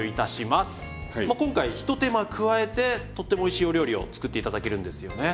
まあ今回一手間加えてとってもおいしいお料理を作って頂けるんですよね？